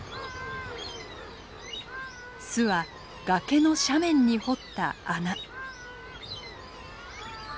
巣は崖の斜面に掘った穴。